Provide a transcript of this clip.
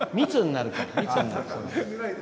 密になるから。